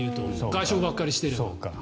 外食ばっかりしてるから。